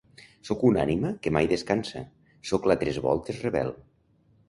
Sóc una ànima que mai descansa, sóc la tres voltes rebel.